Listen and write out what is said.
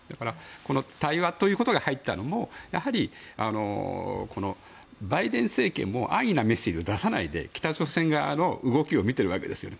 この対話ということが入ったのもバイデン政権も安易なメッセージを出さないで北朝鮮側の動きを見ているわけですよね。